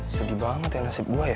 sedih banget ya nasib gue ya